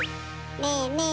ねえねえ